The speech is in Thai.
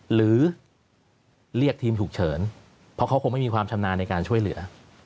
หรือเรียกทีมฉุกเฉินเพราะเขาคงไม่มีความชำนาญในการช่วยเหลือ